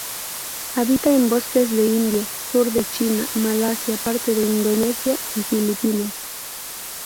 Habita en bosques de India, sur de China, Malasia, parte de Indonesia y Filipinas.